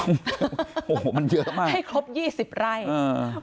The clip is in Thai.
โอ้โหมันเยอะมากให้ครบยี่สิบไร่อ่า